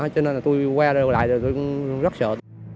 cho nên là tôi qua đây lại là tôi cũng rất sợ